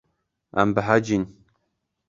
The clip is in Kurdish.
Em behecîn.